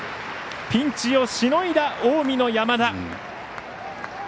ピンチをしのいだ近江の山田。